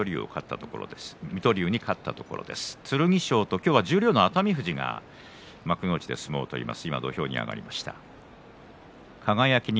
今日は十両の熱海富士が幕内で相撲を取ります。